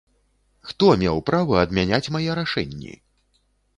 Хто меў права адмяняць мае рашэнні?